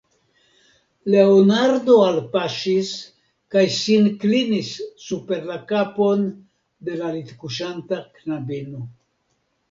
Leonardo alpaŝis kaj sin klinis super la kapon de la litkuŝanta knabino.